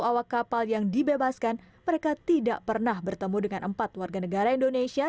awak kapal yang dibebaskan mereka tidak pernah bertemu dengan empat warga negara indonesia